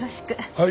はい。